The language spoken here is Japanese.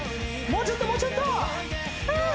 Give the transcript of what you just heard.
もうちょっともうちょっと！